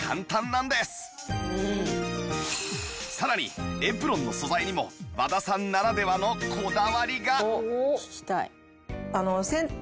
さらにエプロンの素材にも和田さんならではのこだわりが！